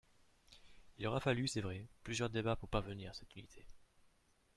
Il aura fallu, c’est vrai, plusieurs débats pour parvenir à cette unité.